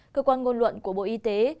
cơ quan ngôn luận của bộ y tế